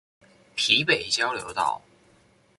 埤北交流道